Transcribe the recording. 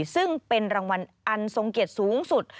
ซึ่งเป็นรางวัลอันทรงเกียรติสูงสุด